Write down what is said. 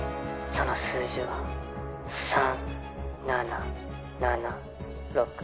その数字は３７７６。